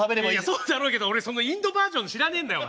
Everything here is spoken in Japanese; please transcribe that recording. そうだろうけど俺そのインドバージョン知らねえんだわ。